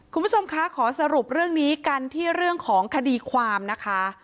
คุณผู้ชมคะขอสรุปเรื่องนี้กันที่เรื่องของคดีความนะคะ